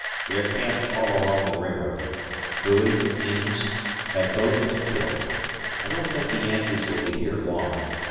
They are camped all along the railroad. Bowie, Ames, have both been killed. I don't think the Yankees will be here long.